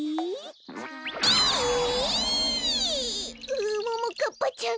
ううももかっぱちゃん